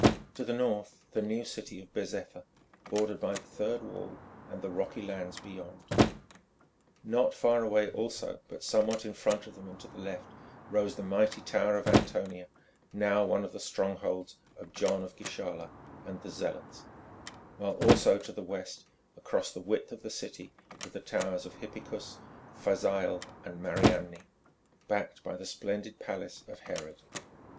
To the north the new city of Bezetha, bordered by the third wall and the rocky lands beyond. Not far away, also, but somewhat in front of them and to the left, rose the mighty tower of Antonia, now one of the strongholds of John of Gischala and the Zealots, while also to the west, across the width of the city, were the towers of Hippicus, Phasæl and Mariamne, backed by the splendid palace of Herod.